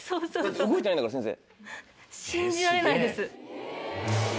動いてないんだから先生。